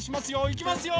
いきますよ！